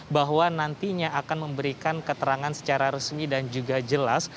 bahwa nantinya akan memberikan keterangan secara resmi dan juga jelas